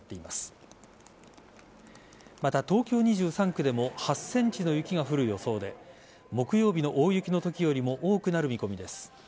また、東京２３区でも８ｃｍの雪が降る予想で木曜日の大雪のときよりも多くなる見込みです。